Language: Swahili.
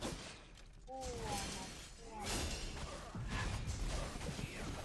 u wanakua mwili unaongezeka